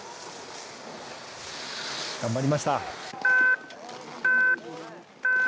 頑張りました。